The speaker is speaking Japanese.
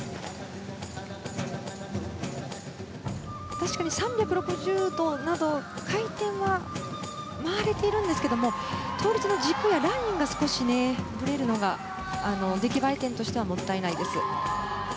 確かに３６０度など回転は回れているんですけれども倒立の軸やラインが少しぶれるのが出来栄え点としてはもったいないです。